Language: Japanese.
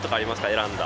選んだ。